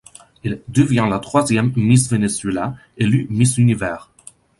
Elle devient la troisième Miss Venezuela élue Miss Univers.